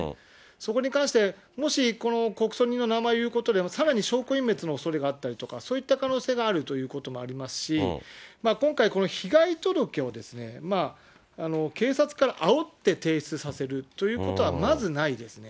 そこに関して、もしこの告訴人の名前を言うことで、さらに証拠隠滅のおそれがあったりとか、そういった可能性があるということもありますし、今回、この被害届を警察からあおって提出させるということはまずないですね。